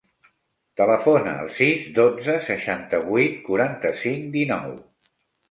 Telefona al sis, dotze, seixanta-vuit, quaranta-cinc, dinou.